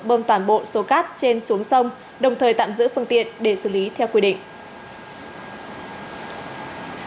bơm toàn bộ số cát trên xuống sông đồng thời tạm giữ phương tiện để xử lý theo quy định